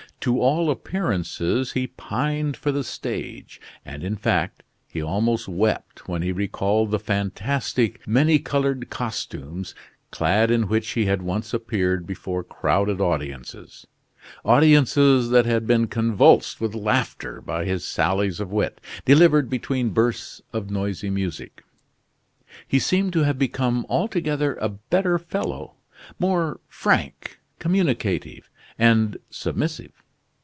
To all appearance he pined for the stage, and, in fact, he almost wept when he recalled the fantastic, many colored costumes, clad in which he had once appeared before crowded audiences audiences that had been convulsed with laughter by his sallies of wit, delivered between bursts of noisy music. He seemed to have become altogether a better fellow; more frank, communicative, and submissive.